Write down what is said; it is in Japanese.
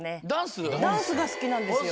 ダンスが好きなんですよ。